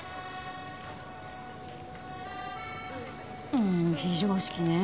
うん非常識ね。